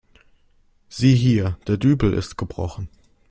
Sieh hier, der Dübel ist gebrochen.